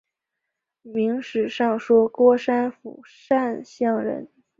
明史上说郭山甫善相人。